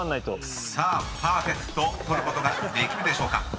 ［さあパーフェクト取ることができるでしょうか？